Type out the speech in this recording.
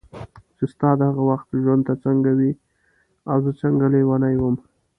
چې ستا د هغه وخت ژوند ته څنګه وې او زه څنګه لیونی وم.